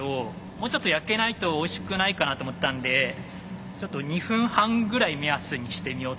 もうちょっと焼けないとおいしくないかなと思ったんでちょっと２分半ぐらい目安にしてみようと思います。